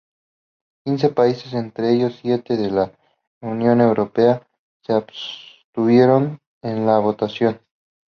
Quince países, entre ellos siete de la Unión Europea, se abstuvieron en la votación.